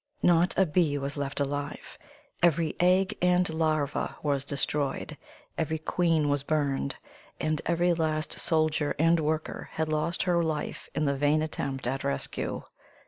Not a bee was left alive. Every egg and larva was destroyed; every queen was burned. And every last soldier and worker had lost her life in the vain attempt at rescue.